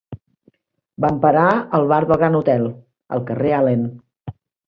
Van parar al bar del Grand Hotel al carrer Allen.